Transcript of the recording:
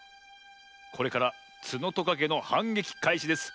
これからツノトカゲのはんげきかいしです。